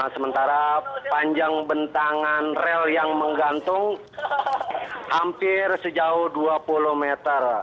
sementara panjang bentangan rel yang menggantung hampir sejauh dua puluh meter